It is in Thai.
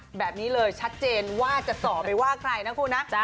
แบบนี้เลยชัดเจนว่าจะต่อไปว่าใครนะคุณนะ